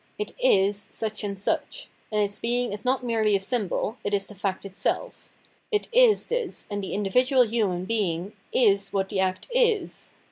It is such and such, and its being is not merely a symbol, it is the fact itself. It is this, and the individual human being is what the act is.